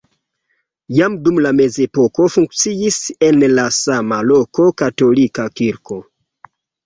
Jam dum la mezepoko funkciis en la sama loko katolika kirko.